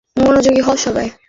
ঠিক আছে, মনোযোগী হও সবাই।